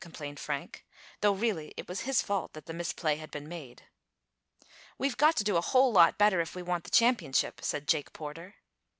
complained Frank, though really it was his fault that the misplay had been made. "We've got to do a whole lot better if we want the championship," said Jake Porter.